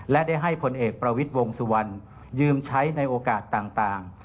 และได้ให้ผลเอกประวิทย์วงสุวรรณยืมใช้ในโอกาสต่าง